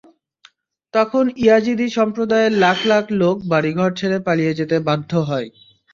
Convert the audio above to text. তখন ইয়াজিদি সম্প্রদায়ের লাখ লাখ লোক বাড়িঘর ছেড়ে পালিয়ে যেতে বাধ্য হয়।